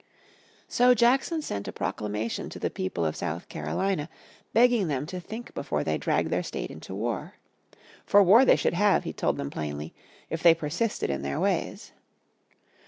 So Jackson sent a proclamation to the people of South Carolina begging them to think before they dragged their state into war. For war they should have, he told them plainly, if they persisted in their ways.